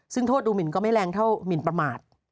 ซึ่งโทษดูหมินก็ไม่แรงเท่าหมินประมาท